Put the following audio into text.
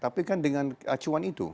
tapi kan dengan acuan itu